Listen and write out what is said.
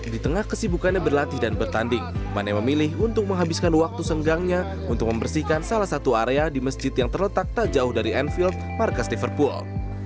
di tengah kesibukannya berlatih dan bertanding mane memilih untuk menghabiskan waktu senggangnya untuk membersihkan salah satu area di masjid yang terletak tak jauh dari enfield markas liverpool